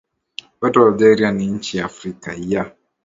ya watu wa Algeria ni nchi ya Afrika ya